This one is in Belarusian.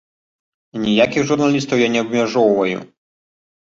І ніякіх журналістаў я не абмяжоўваю!